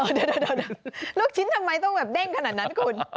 เดี๋ยวลูกชิ้นทำไมต้องแบบเด้งขนาดนั้นคุณ